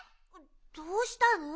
どうしたの？